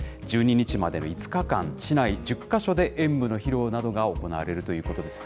１２日までの５日間、市内１０か所で、演舞の披露などが行われるということです。